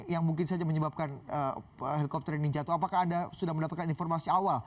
yang mungkin saja menyebabkan helikopter ini jatuh apakah anda sudah mendapatkan informasi awal